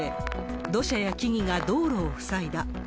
土砂や木々や道路を塞いだ。